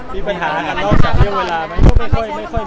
เนื่องจากปัญหาเวลา